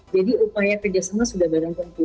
jadi upaya kerjasama sudah barang tentu